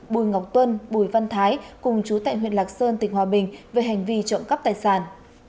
bùi ngọc tuân bùi văn thái cùng chú tại huyện lạc sơn tỉnh hòa bình về hành vi trộm cắp tài sản